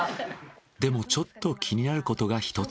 でもちょっと気になることが１つ。